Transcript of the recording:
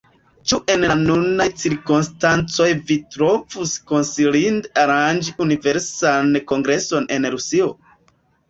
Ĉu en la nunaj cirkonstancoj vi trovus konsilinde aranĝi Universalan Kongreson en Rusio?